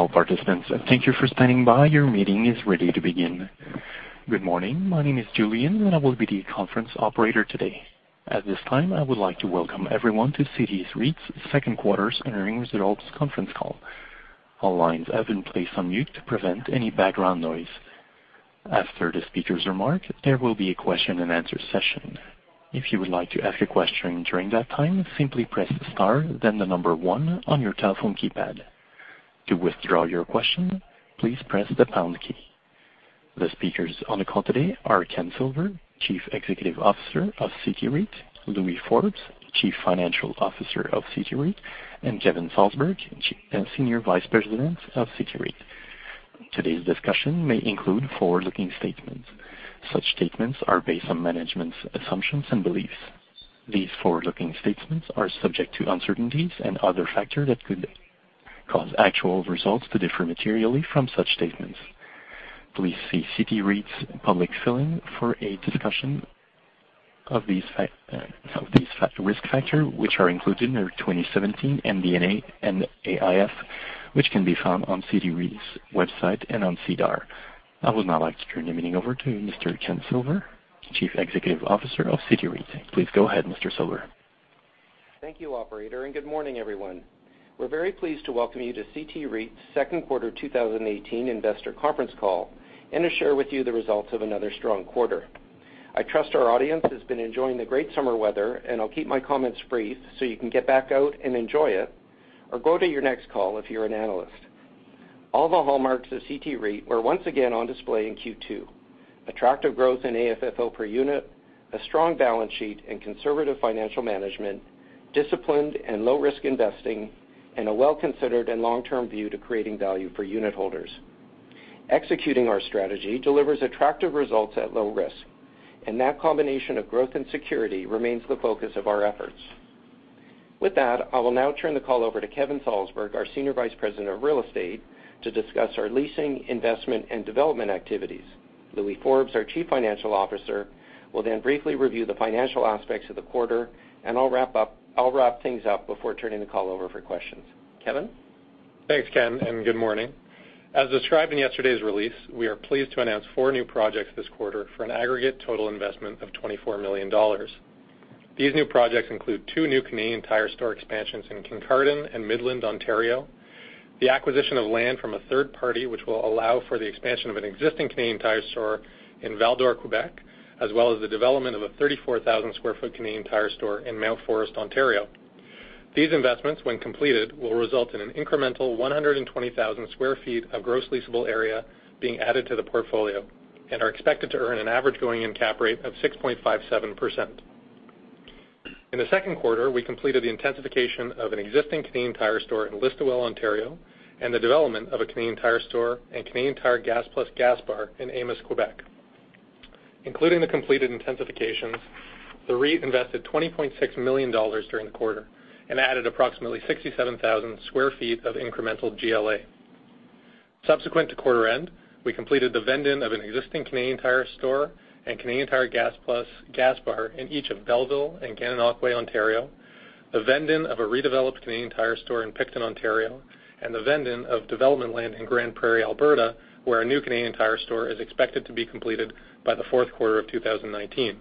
All participants, thank you for standing by. Your meeting is ready to begin. Good morning. My name is Julian, and I will be the conference operator today. At this time, I would like to welcome everyone to CT REIT's second quarter earnings results conference call. All lines have been placed on mute to prevent any background noise. After the speakers remark, there will be a question and answer session. If you would like to ask a question during that time, simply press star then the number 1 on your telephone keypad. To withdraw your question, please press the pound key. The speakers on the call today are Ken Silver, Chief Executive Officer of CT REIT, Louis Forbes, Chief Financial Officer of CT REIT, and Kevin Salsberg, Senior Vice President of CT REIT. Today's discussion may include forward-looking statements. Such statements are based on management's assumptions and beliefs. These forward-looking statements are subject to uncertainties and other factors that could cause actual results to differ materially from such statements. Please see CT REIT's public filling for a discussion of these risk factors, which are included in our 2017 MD&A and AIF, which can be found on CT REIT's website and on SEDAR. I would now like to turn the meeting over to Mr. Ken Silver, Chief Executive Officer of CT REIT. Please go ahead, Mr. Silver. Thank you, operator. Good morning, everyone. We're very pleased to welcome you to CT REIT's second quarter 2018 investor conference call and to share with you the results of another strong quarter. I trust our audience has been enjoying the great summer weather, and I'll keep my comments brief so you can get back out and enjoy it or go to your next call if you're an analyst. All the hallmarks of CT REIT were once again on display in Q2. Attractive growth in AFFO per unit, a strong balance sheet and conservative financial management, disciplined and low-risk investing, and a well-considered and long-term view to creating value for unit holders. Executing our strategy delivers attractive results at low risk, and that combination of growth and security remains the focus of our efforts. With that, I will now turn the call over to Kevin Salsberg, our Senior Vice President of Real Estate, to discuss our leasing, investment, and development activities. Louis Forbes, our Chief Financial Officer, will then briefly review the financial aspects of the quarter, and I'll wrap things up before turning the call over for questions. Kevin? Thanks, Ken, and good morning. As described in yesterday's release, we are pleased to announce four new projects this quarter for an aggregate total investment of 24 million dollars. These new projects include two new Canadian Tire store expansions in Kincardine and Midland, Ontario, the acquisition of land from a third party, which will allow for the expansion of an existing Canadian Tire store in Val-d'Or, Quebec, as well as the development of a 34,000 sq ft Canadian Tire store in Mount Forest, Ontario. These investments, when completed, will result in an incremental 120,000 sq ft of gross leasable area being added to the portfolio and are expected to earn an average going-in Cap Rate of 6.57%. In the second quarter, we completed the intensification of an existing Canadian Tire store in Listowel, Ontario, and the development of a Canadian Tire store and Canadian Tire Gas+ gas bar in Amos, Quebec. Including the completed intensifications, the REIT invested 20.6 million dollars during the quarter and added approximately 67,000 sq ft of incremental GLA. Subsequent to quarter end, we completed the vend-in of an existing Canadian Tire store and Canadian Tire Gas+ gas bar in each of Belleville and Gananoque, Ontario, the vend-in of a redeveloped Canadian Tire store in Picton, Ontario, and the vend-in of development land in Grande Prairie, Alberta, where a new Canadian Tire store is expected to be completed by the fourth quarter of 2019.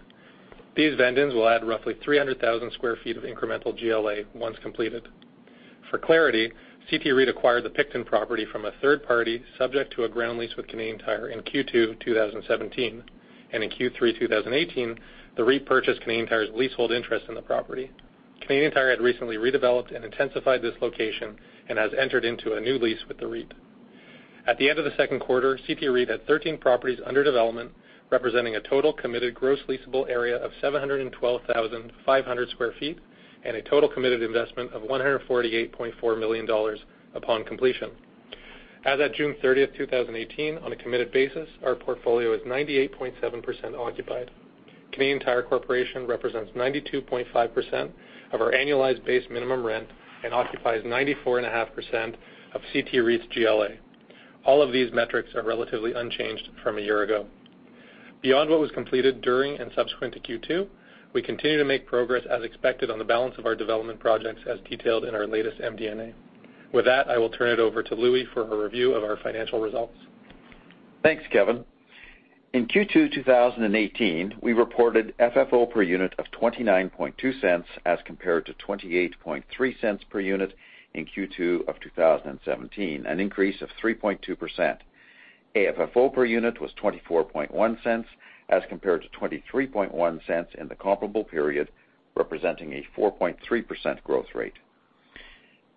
These vend-ins will add roughly 300,000 sq ft of incremental GLA once completed. For clarity, CT REIT acquired the Picton property from a third party subject to a ground lease with Canadian Tire in Q2 2017, and in Q3 2018, the REIT purchased Canadian Tire's leasehold interest in the property. Canadian Tire had recently redeveloped and intensified this location and has entered into a new lease with the REIT. At the end of the second quarter, CT REIT had 13 properties under development, representing a total committed gross leasable area of 712,500 sq ft and a total committed investment of 148.4 million dollars upon completion. As at June 30th, 2018, on a committed basis, our portfolio is 98.7% occupied. Canadian Tire Corporation represents 92.5% of our annualized base minimum rent and occupies 94.5% of CT REIT's GLA. All of these metrics are relatively unchanged from a year ago. Beyond what was completed during and subsequent to Q2, we continue to make progress as expected on the balance of our development projects as detailed in our latest MD&A. With that, I will turn it over to Louis for a review of our financial results. Thanks, Kevin. In Q2 2018, we reported FFO per unit of 0.292 as compared to 0.283 per unit in Q2 of 2017, an increase of 3.2%. AFFO per unit was 0.241 as compared to 0.231 in the comparable period, representing a 4.3% growth rate.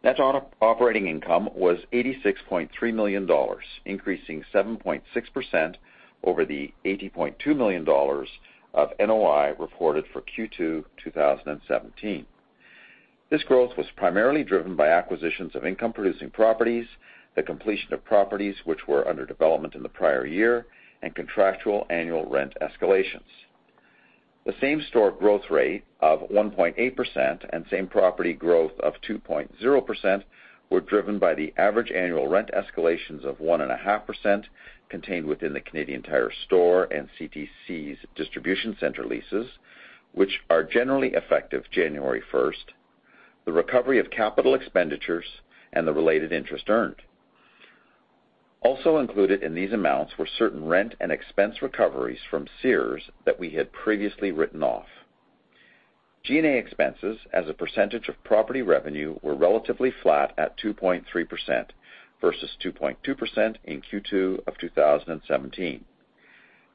Net operating income was 86.3 million dollars, increasing 7.6% over the 80.2 million dollars of NOI reported for Q2 2017. This growth was primarily driven by acquisitions of income-producing properties, the completion of properties which were under development in the prior year, and contractual annual rent escalations. The Same-Store Growth rate of 1.8% and Same-Property Growth of 2.0% were driven by the average annual rent escalations of 1.5% contained within the Canadian Tire Store and CTC's distribution center leases, which are generally effective January 1st, the recovery of capital expenditures, and the related interest earned. Also included in these amounts were certain rent and expense recoveries from Sears that we had previously written off. G&A expenses as a percentage of property revenue were relatively flat at 2.3% versus 2.2% in Q2 of 2017.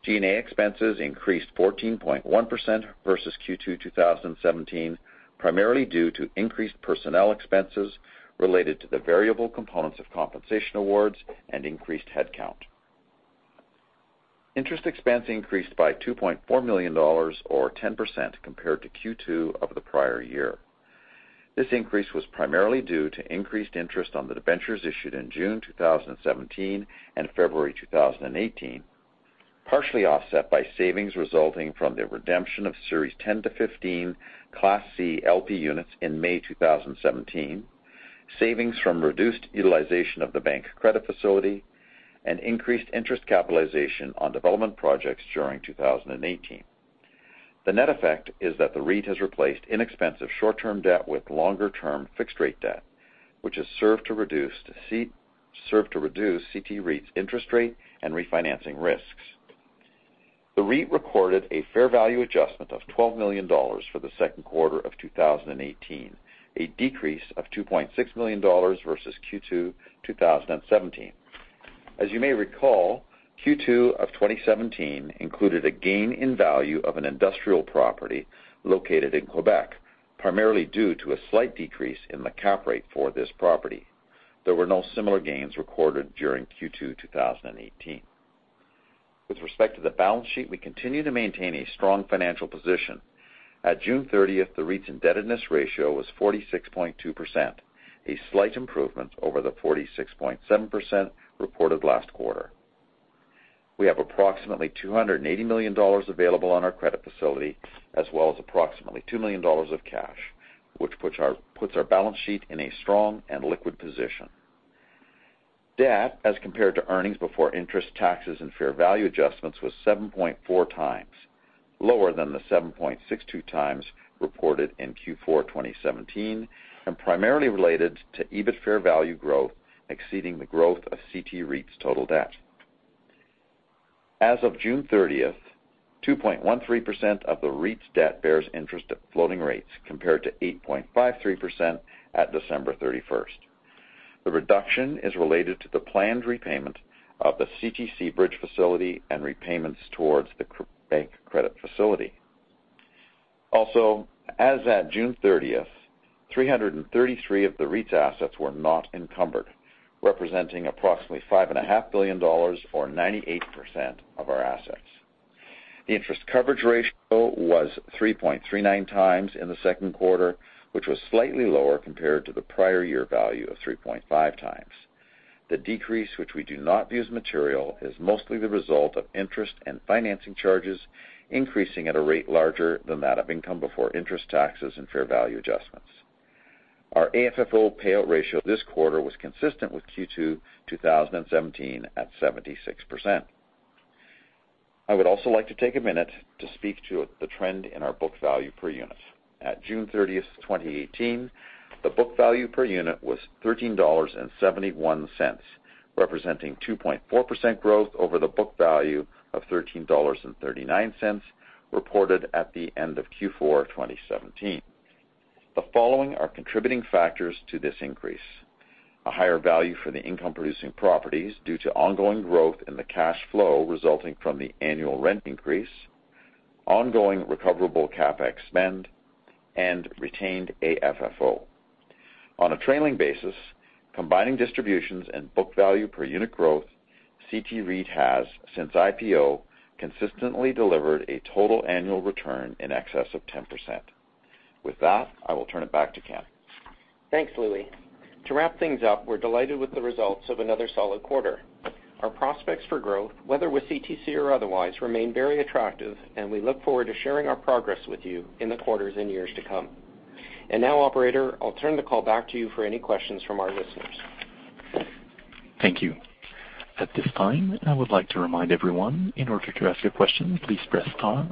G&A expenses increased 14.1% versus Q2 2017, primarily due to increased personnel expenses related to the variable components of compensation awards and increased headcount. Interest expense increased by 2.4 million dollars, or 10%, compared to Q2 of the prior year. This increase was primarily due to increased interest on the debentures issued in June 2017 and February 2018, partially offset by savings resulting from the redemption of Series 10-15 Class C LP Units in May 2017, savings from reduced utilization of the bank credit facility, and increased interest capitalization on development projects during 2018. The net effect is that the REIT has replaced inexpensive short-term debt with longer-term fixed-rate debt, which has served to reduce CT REIT's interest rate and refinancing risks. The REIT recorded a fair value adjustment of 12 million dollars for the second quarter of 2018, a decrease of 2.6 million dollars versus Q2 2017. As you may recall, Q2 of 2017 included a gain in value of an industrial property located in Quebec, primarily due to a slight decrease in the Cap Rate for this property. There were no similar gains recorded during Q2 2018. With respect to the balance sheet, we continue to maintain a strong financial position. At June 30th, the REIT's Indebtedness Ratio was 46.2%, a slight improvement over the 46.7% reported last quarter. We have approximately 280 million dollars available on our credit facility, as well as approximately 2 million dollars of cash, which puts our balance sheet in a strong and liquid position. Debt, as compared to earnings before interest, taxes, and fair value adjustments, was 7.4 times, lower than the 7.62 times reported in Q4 2017, and primarily related to EBIT fair value growth exceeding the growth of CT REIT's total debt. As of June 30th, 2.13% of the REIT's debt bears interest at floating rates, compared to 8.53% at December 31st. The reduction is related to the planned repayment of the CTC bridge facility and repayments towards the bank credit facility. Also, as at June 30th, 333 of the REIT's assets were not encumbered, representing approximately 5.5 billion dollars, or 98%, of our assets. The Interest Coverage Ratio was 3.39 times in the second quarter, which was slightly lower compared to the prior year value of 3.5 times. The decrease, which we do not view as material, is mostly the result of interest and financing charges increasing at a rate larger than that of income before interest, taxes, and fair value adjustments. Our AFFO payout ratio this quarter was consistent with Q2 2017 at 76%. I would also like to take a minute to speak to the trend in our book value per unit. At June 30th, 2018, the book value per unit was 13.71 dollars, representing 2.4% growth over the book value of 13.39 dollars reported at the end of Q4 2017. The following are contributing factors to this increase. A higher value for the income-producing properties due to ongoing growth in the cash flow resulting from the annual rent increase, ongoing recoverable CapEx spend, and retained AFFO. On a trailing basis, combining distributions and book value per unit growth, CT REIT has, since IPO, consistently delivered a total annual return in excess of 10%. With that, I will turn it back to Ken. Thanks, Louis. To wrap things up, we're delighted with the results of another solid quarter. Our prospects for growth, whether with CTC or otherwise, remain very attractive, and we look forward to sharing our progress with you in the quarters and years to come. Now, operator, I'll turn the call back to you for any questions from our listeners. Thank you. At this time, I would like to remind everyone, in order to ask a question, please press star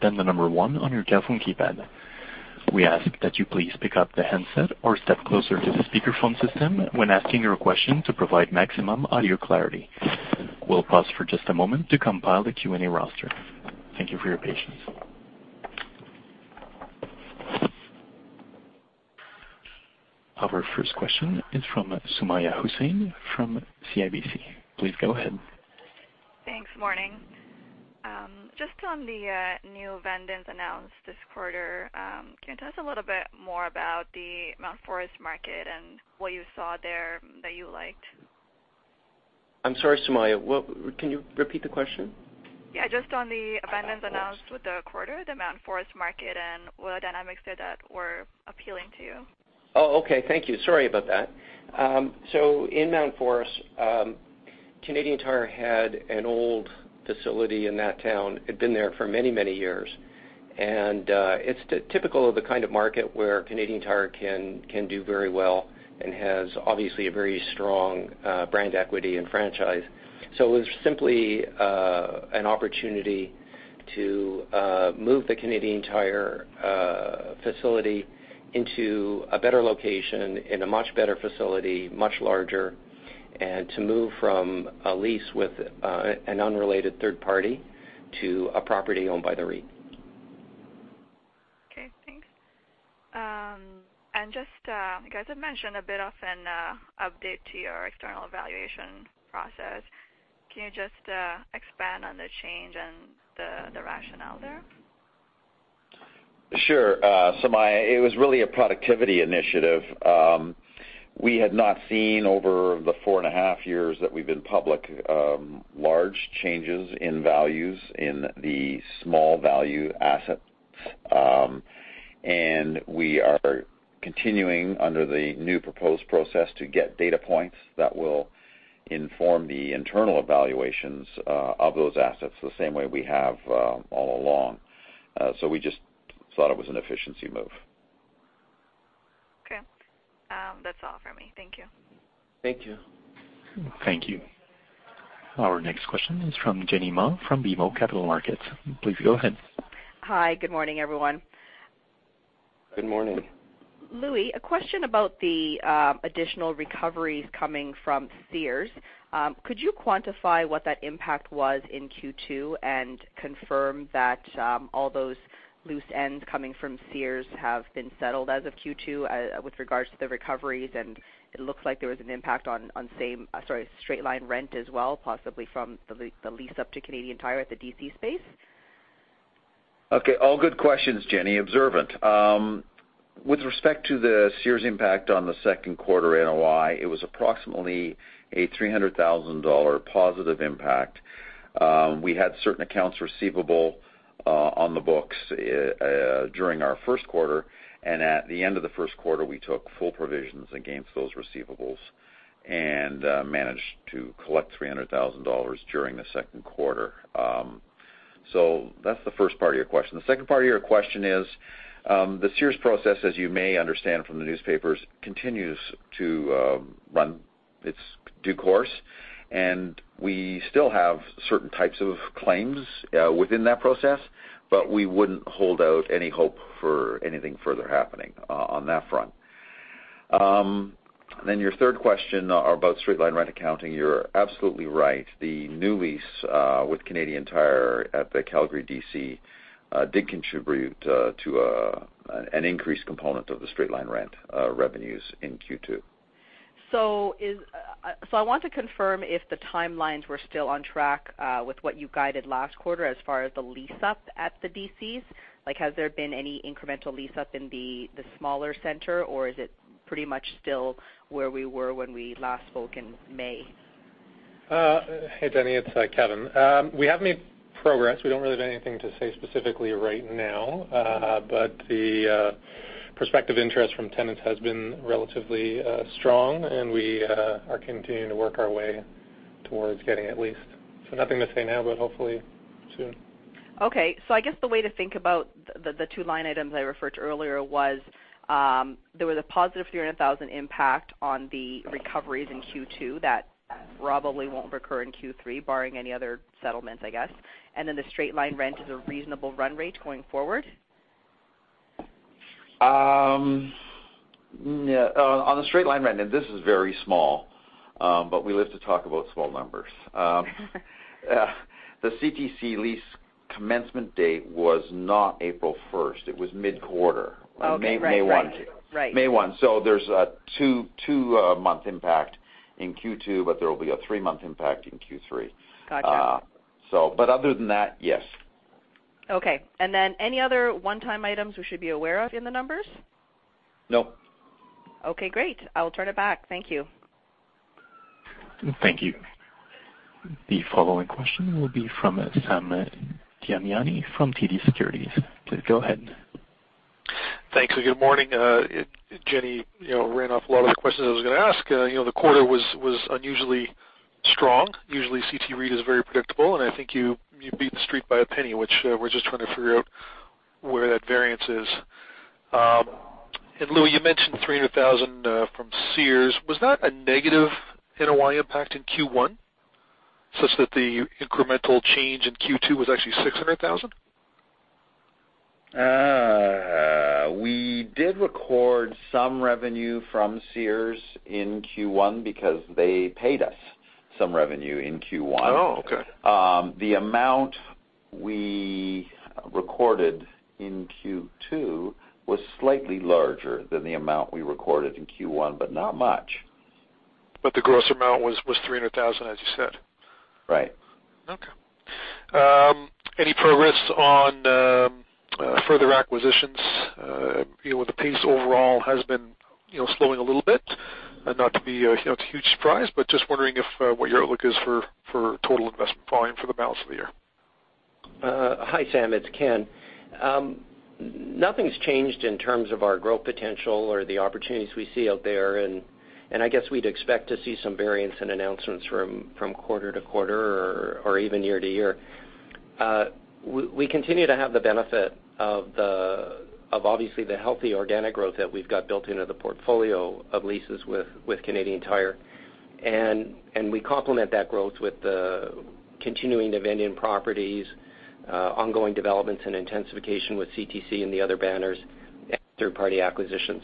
then the number one on your telephone keypad. We ask that you please pick up the handset or step closer to the speakerphone system when asking your question to provide maximum audio clarity. We'll pause for just a moment to compile the Q&A roster. Thank you for your patience. Our first question is from Sumayya Syed from CIBC. Please go ahead. Thanks. Morning. Just on the new vend-ins announced this quarter, can you tell us a little bit more about the Mount Forest market and what you saw there that you liked? I'm sorry, Sumayya. Can you repeat the question? Yeah, just on the vend-ins announced with the quarter, the Mount Forest market, and what dynamics there that were appealing to you. Oh, okay. Thank you. Sorry about that. In Mount Forest, Canadian Tire had an old facility in that town. It had been there for many, many years. It is typical of the kind of market where Canadian Tire can do very well and has, obviously, a very strong brand equity and franchise. It was simply an opportunity to move the Canadian Tire facility into a better location, in a much better facility, much larger, and to move from a lease with an unrelated third party to a property owned by the REIT. Okay, thanks. Just, you guys have mentioned a bit of an update to your external evaluation process. Can you just expand on the change and the rationale there? Sure. Sumayya, it was really a productivity initiative. We had not seen, over the four and a half years that we've been public, large changes in values in the small value assets. We are continuing, under the new proposed process, to get data points that will inform the internal evaluations of those assets the same way we have all along. We just thought it was an efficiency move. Okay. That's all from me. Thank you. Thank you. Thank you. Our next question is from Jenny Ma from BMO Capital Markets. Please go ahead. Hi. Good morning, everyone. Good morning. Louis, a question about the additional recoveries coming from Sears. Could you quantify what that impact was in Q2 and confirm that all those loose ends coming from Sears have been settled as of Q2, with regards to the recoveries? It looks like there was an impact on straight-line rent as well, possibly from the lease-up to Canadian Tire at the DC space. Okay. All good questions, Jenny. Observant. With respect to the Sears impact on the second quarter NOI, it was approximately a 300,000 dollar positive impact. We had certain accounts receivable on the books during our first quarter, at the end of the first quarter, we took full provisions against those receivables and managed to collect 300,000 dollars during the second quarter. That's the first part of your question. The second part of your question is, the Sears process, as you may understand from the newspapers, continues to run its due course, we still have certain types of claims within that process, we wouldn't hold out any hope for anything further happening on that front. Your third question about straight-line rent accounting, you're absolutely right. The new lease with Canadian Tire at the Calgary DC did contribute to an increased component of the straight-line rent revenues in Q2. I want to confirm if the timelines were still on track, with what you guided last quarter as far as the lease-up at the DCs. Has there been any incremental lease-up in the smaller center, or is it pretty much still where we were when we last spoke in May? Hey, Jenny. It's Kevin. We have made progress. We don't really have anything to say specifically right now. The prospective interest from tenants has been relatively strong, and we are continuing to work our way towards getting a lease. Nothing to say now, but hopefully soon. Okay. I guess the way to think about the two line items I referred to earlier was, there was a positive 300,000 impact on the recoveries in Q2 that probably won't recur in Q3, barring any other settlements, I guess. The straight-line rent is a reasonable run rate going forward? On the straight-line rent, and this is very small, but we live to talk about small numbers. The CTC lease commencement date was not April 1st, it was mid-quarter. Okay. Right. May 1. Right. May 1. There's a two-month impact in Q2, but there will be a three-month impact in Q3. Gotcha. Other than that, yes. Okay. Any other one-time items we should be aware of in the numbers? No. Okay, great. I will turn it back. Thank you. Thank you. The following question will be from Sam Damiani from TD Securities. Please go ahead. Thanks. Good morning. Jenny ran off a lot of the questions I was going to ask. The quarter was unusually strong. Usually, CT REIT is very predictable, I think you beat the Street by CAD 0.01, which we are just trying to figure out where that variance is. Louis, you mentioned 300,000 from Sears. Was that a negative NOI impact in Q1, such that the incremental change in Q2 was actually 600,000? We did record some revenue from Sears in Q1 because they paid us some revenue in Q1. Okay. The amount we recorded in Q2 was slightly larger than the amount we recorded in Q1, not much. the gross amount was 300,000, as you said. Right. Okay. Any progress on further acquisitions? The pace overall has been slowing a little bit. Not to be a huge surprise, but just wondering what your outlook is for total investment volume for the balance of the year. Hi, Sam. It's Ken. Nothing's changed in terms of our growth potential or the opportunities we see out there. I guess we'd expect to see some variance in announcements from quarter to quarter or even year to year. We continue to have the benefit of obviously the healthy organic growth that we've got built into the portfolio of leases with Canadian Tire. We complement that growth with the continuing the vend-in properties, ongoing developments and intensification with CTC and the other banners, third-party acquisitions.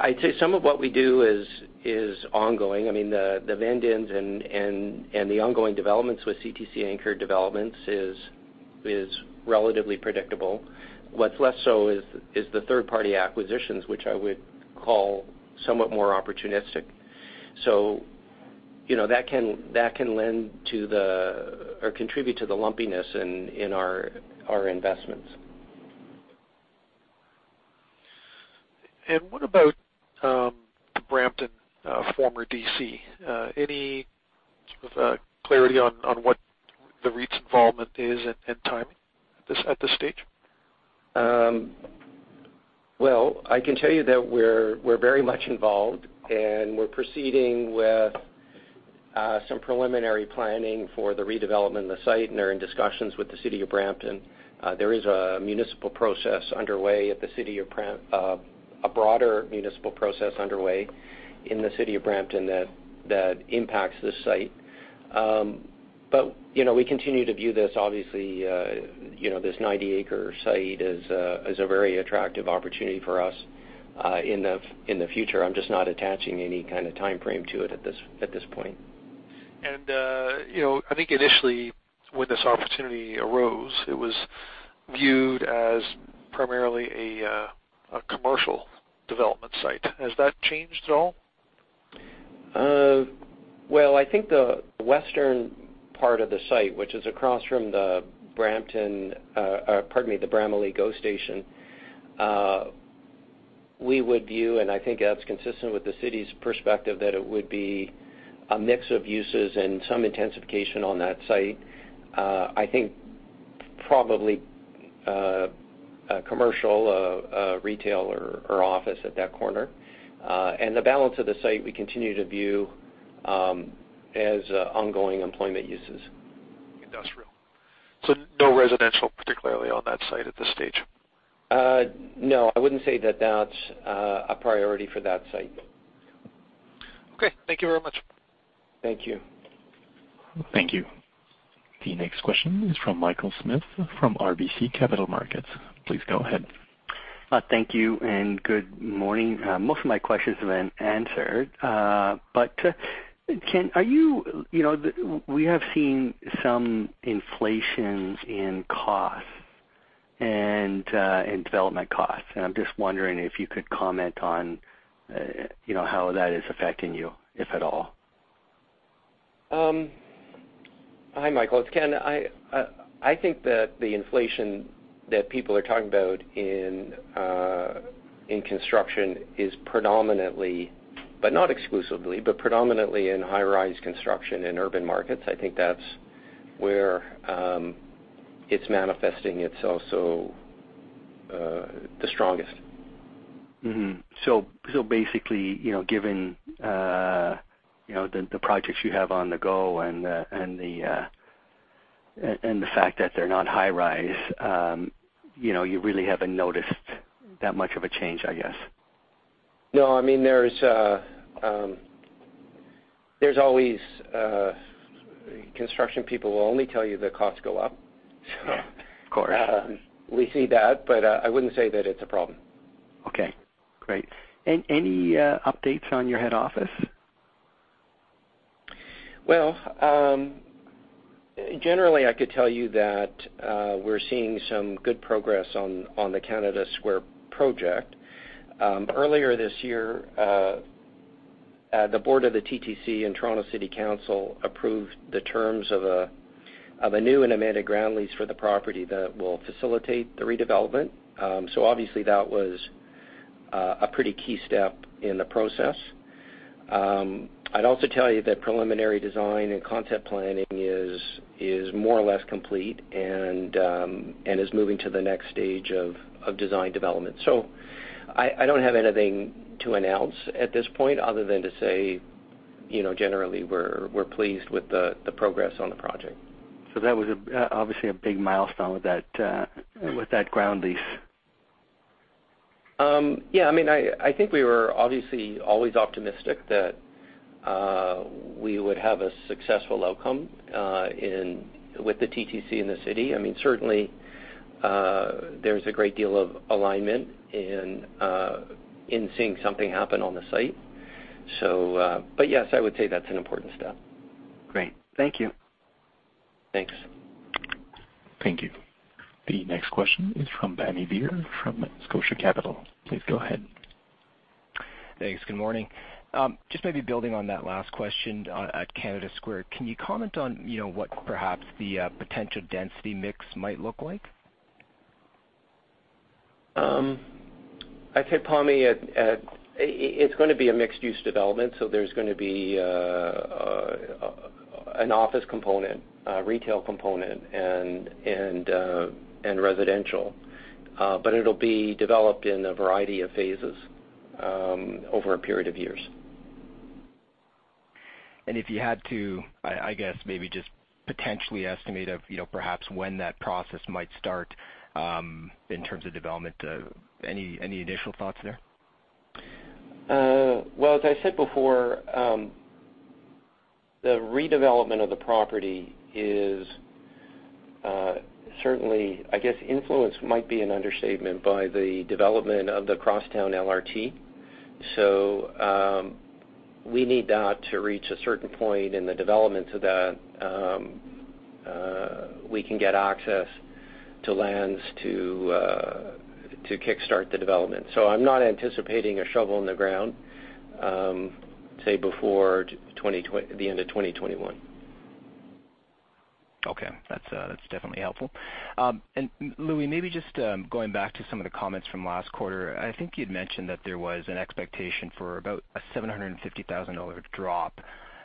I'd say some of what we do is ongoing. I mean, the vend-ins and the ongoing developments with CTC anchor developments is relatively predictable. What's less so is the third-party acquisitions, which I would call somewhat more opportunistic. That can lend or contribute to the lumpiness in our investments. What about the Brampton former DC? Any sort of clarity on what the REIT's involvement is and timing at this stage? Well, I can tell you that we're very much involved, we're proceeding with some preliminary planning for the redevelopment of the site, and are in discussions with the City of Brampton. There is a broader municipal process underway in the City of Brampton that impacts this site. We continue to view this, obviously, this 90-acre site as a very attractive opportunity for us in the future. I'm just not attaching any kind of timeframe to it at this point. I think initially when this opportunity arose, it was viewed as primarily a commercial development site. Has that changed at all? Well, I think the Western part of the site, which is across from the Brampton, pardon me, the Bramalea GO Station, we would view, and I think that's consistent with the city's perspective, that it would be a mix of uses and some intensification on that site. I think probably, commercial, retail or office at that corner. The balance of the site, we continue to view as ongoing employment uses. Industrial. No residential, particularly on that site at this stage? No, I wouldn't say that that's a priority for that site. Okay. Thank you very much. Thank you. Thank you. The next question is from Michael Smith from RBC Capital Markets. Please go ahead. Thank you and good morning. Most of my questions have been answered. Ken, we have seen some inflations in costs and in development costs. I'm just wondering if you could comment on how that is affecting you, if at all. Hi, Michael. It's Ken. I think that the inflation that people are talking about in construction is predominantly, but not exclusively, but predominantly in high-rise construction in urban markets. I think that's where it's manifesting itself so the strongest. Basically, given the projects you have on the go and the fact that they're not high-rise, you really haven't noticed that much of a change, I guess. No, there's always Construction people will only tell you the costs go up. Of course. We see that, but I wouldn't say that it's a problem. Okay, great. Any updates on your head office? Well, generally, I could tell you that we're seeing some good progress on the Canada Square project. Earlier this year, the board of the TTC and Toronto City Council approved the terms of a new and amended ground lease for the property that will facilitate the redevelopment. Obviously, that was a pretty key step in the process. I'd also tell you that preliminary design and concept planning is more or less complete and is moving to the next stage of design development. I don't have anything to announce at this point other than to say, generally, we're pleased with the progress on the project. That was obviously a big milestone with that ground lease. Yeah. I think we were obviously always optimistic that we would have a successful outcome with the TTC and the city. Certainly, there is a great deal of alignment in seeing something happen on the site. Yes, I would say that is an important step. Great. Thank you. Thanks. Thank you. The next question is from Pammi Bir from Scotia Capital. Please go ahead. Thanks. Good morning. Just maybe building on that last question at Canada Square. Can you comment on what perhaps the potential density mix might look like? I'd say, Pammi, it's going to be a mixed-use development, so there's going to be an office component, a retail component, and residential. It'll be developed in a variety of phases over a period of years. If you had to, I guess maybe just potentially estimate of perhaps when that process might start, in terms of development. Any initial thoughts there? Well, as I said before, the redevelopment of the property is certainly, I guess, influenced might be an understatement by the development of the Crosstown LRT. We need that to reach a certain point in the development so that we can get access to lands to kickstart the development. I'm not anticipating a shovel in the ground, say before the end of 2021. Okay. That's definitely helpful. Louis, maybe just going back to some of the comments from last quarter, I think you'd mentioned that there was an expectation for about a 750,000 dollar drop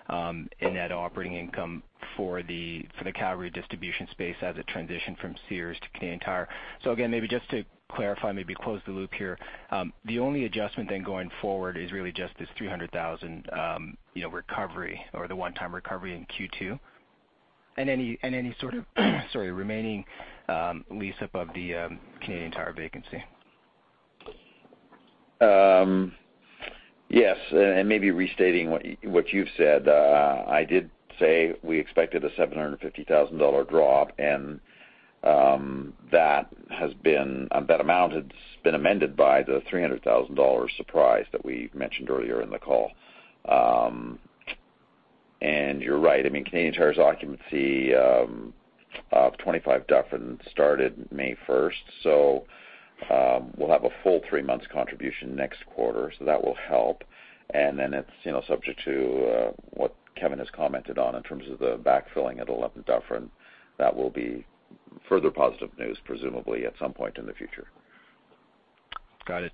in net operating income for the Calgary distribution space as it transitioned from Sears to Canadian Tire. Again, maybe just to clarify, maybe close the loop here. The only adjustment then going forward is really just this 300,000 recovery, or the one-time recovery in Q2. Any sort of remaining lease-up of the Canadian Tire vacancy. Yes, and maybe restating what you've said. I did say we expected a 750,000 dollar drop, that amount has been amended by the 300,000 dollar surprise that we mentioned earlier in the call. You're right, Canadian Tire's occupancy of 25 Dufferin started May 1st. We'll have a full 3 months contribution next quarter, that will help. Then it's subject to what Kevin has commented on in terms of the backfilling at 11 Dufferin. That will be further positive news, presumably, at some point in the future. Got it.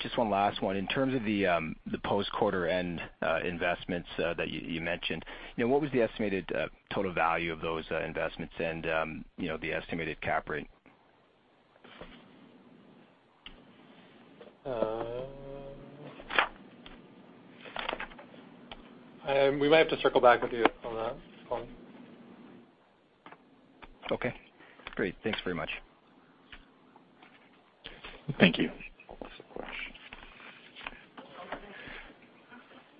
Just one last one. In terms of the post-quarter end investments that you mentioned, what was the estimated total value of those investments and the estimated cap rate? We might have to circle back with you on that, Colin. Okay, great. Thanks very much. Thank you.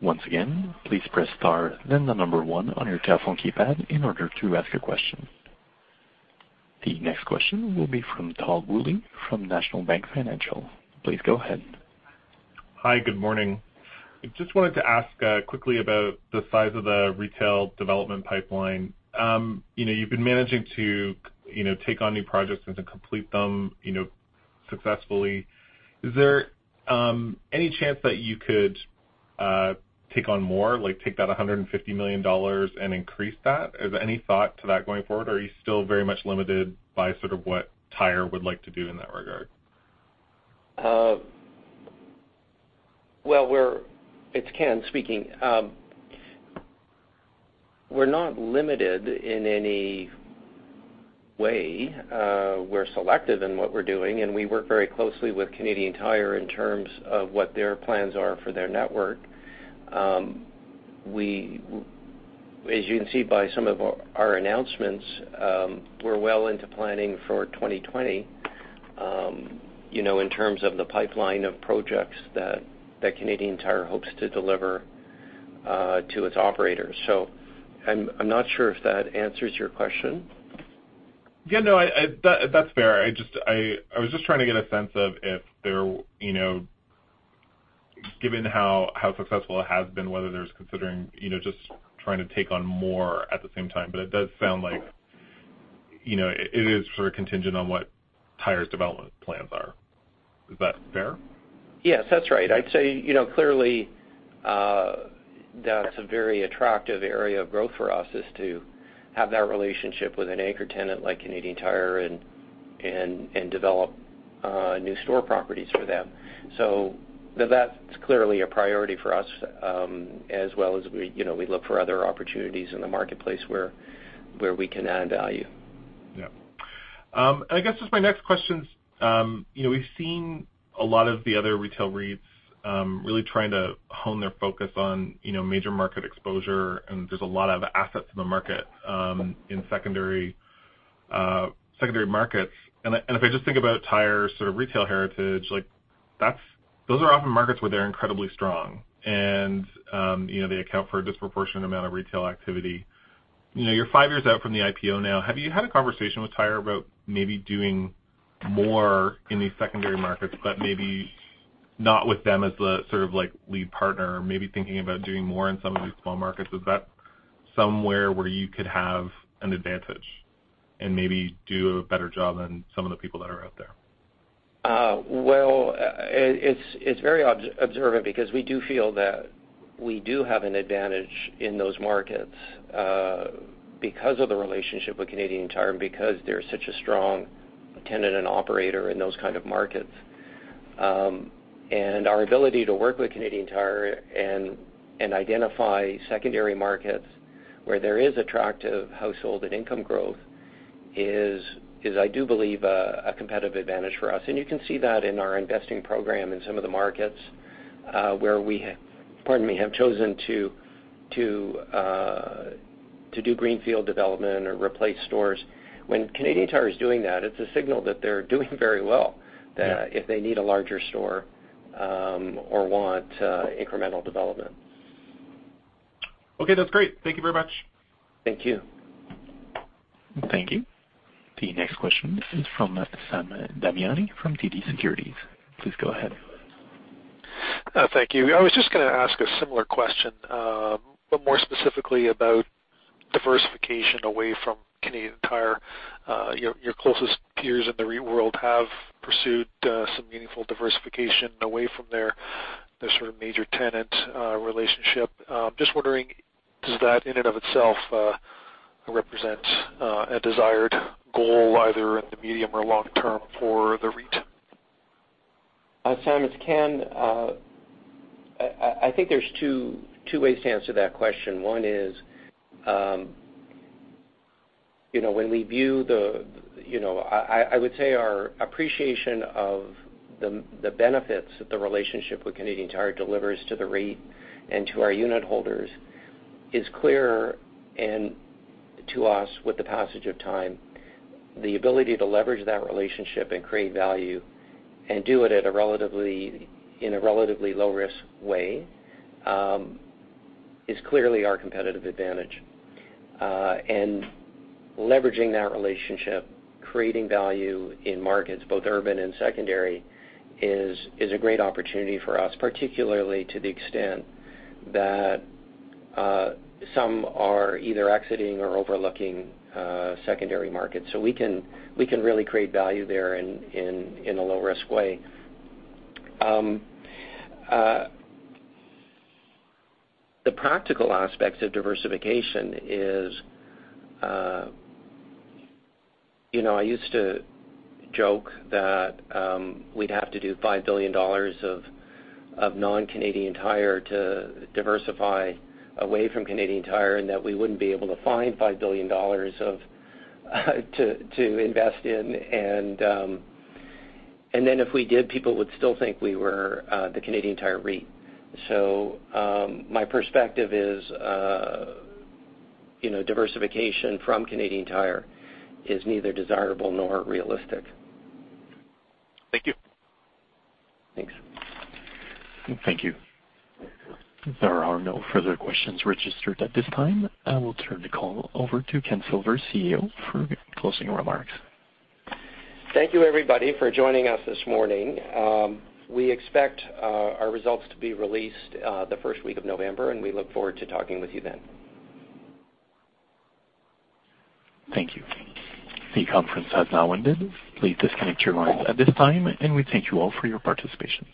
Once again, please press star, then the number one on your telephone keypad in order to ask a question. The next question will be from Tal Woolley from National Bank Financial. Please go ahead. Hi, good morning. I just wanted to ask quickly about the size of the retail development pipeline. You've been managing to take on new projects and to complete them successfully. Is there any chance that you could take on more, take that 150 million dollars and increase that? Is there any thought to that going forward, or are you still very much limited by sort of what Tire would like to do in that regard? Well, it's Ken speaking. We're not limited in any way. We're selective in what we're doing, and we work very closely with Canadian Tire in terms of what their plans are for their network. As you can see by some of our announcements, we're well into planning for 2020, in terms of the pipeline of projects that Canadian Tire hopes to deliver to its operators. I'm not sure if that answers your question. Yeah, no, that's fair. I was just trying to get a sense of given how successful it has been, whether they're considering just trying to take on more at the same time. It does sound like it is sort of contingent on what Tire's development plans are. Is that fair? Yes, that's right. I'd say, clearly, that's a very attractive area of growth for us, is to have that relationship with an anchor tenant like Canadian Tire and develop new store properties for them. That's clearly a priority for us, as well as we look for other opportunities in the marketplace where we can add value. Yeah. I guess just my next question is, we've seen a lot of the other retail REITs really trying to hone their focus on major market exposure, and there's a lot of assets in the market, in secondary markets. If I just think about Tire's retail heritage, those are often markets where they're incredibly strong. They account for a disproportionate amount of retail activity. You're five years out from the IPO now. Have you had a conversation with Tire about maybe doing more in these secondary markets, but maybe not with them as the lead partner, maybe thinking about doing more in some of these small markets? Is that somewhere where you could have an advantage and maybe do a better job than some of the people that are out there? Well, it's very observant because we do feel that we do have an advantage in those markets because of the relationship with Canadian Tire and because they're such a strong tenant and operator in those kind of markets. Our ability to work with Canadian Tire and identify secondary markets where there is attractive household and income growth is I do believe a competitive advantage for us. You can see that in our investing program in some of the markets where we, pardon me, have chosen to do greenfield development or replace stores. When Canadian Tire is doing that, it's a signal that they're doing very well- Yeah that if they need a larger store or want incremental development. Okay, that's great. Thank you very much. Thank you. Thank you. The next question is from Sam Damiani from TD Securities. Please go ahead. Thank you. I was just going to ask a similar question, but more specifically about diversification away from Canadian Tire. Your closest peers in the REIT world have pursued some meaningful diversification away from their sort of major tenant relationship. Just wondering, does that in and of itself represent a desired goal, either in the medium or long term for the REIT? Hi Sam, it's Ken. I think there's two ways to answer that question. One is, when we view the I would say our appreciation of the benefits that the relationship with Canadian Tire delivers to the REIT and to our unit holders is clearer and to us with the passage of time. The ability to leverage that relationship and create value and do it in a relatively low-risk way, is clearly our competitive advantage. Leveraging that relationship, creating value in markets, both urban and secondary, is a great opportunity for us, particularly to the extent that some are either exiting or overlooking secondary markets. We can really create value there in a low-risk way. The practical aspects of diversification is, I used to joke that we'd have to do 5 billion dollars of non-Canadian Tire to diversify away from Canadian Tire, that we wouldn't be able to find 5 billion dollars to invest in. If we did, people would still think we were the Canadian Tire REIT. My perspective is diversification from Canadian Tire is neither desirable nor realistic. Thank you. Thanks. Thank you. There are no further questions registered at this time. I will turn the call over to Ken Silver, CEO, for closing remarks. Thank you, everybody, for joining us this morning. We expect our results to be released the first week of November. We look forward to talking with you then. Thank you. The conference has now ended. Please disconnect your lines at this time. We thank you all for your participation.